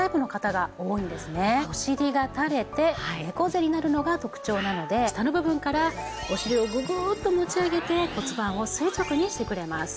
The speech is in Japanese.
お尻がたれて猫背になるのが特徴なので下の部分からお尻をググッと持ち上げて骨盤を垂直にしてくれます。